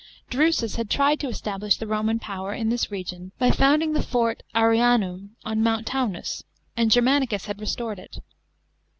Dru*us had tried to establish the Roman p«>wer in this region by founding the fort Ar'aunum on Mount Taunus, and Germauicus had restored it.